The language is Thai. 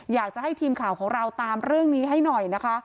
อยากจะให้ทีมข่าวของเราตามเรื่องนี้ให้หน่อยนะคะ